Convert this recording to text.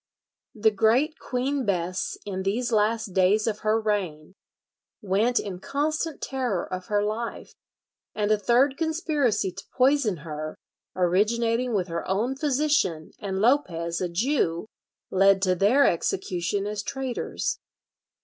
The great Queen Bess in these last days of her reign went in constant terror of her life; and a third conspiracy to poison her, originating with her own physician and Lopez, a Jew, led to their execution as traitors.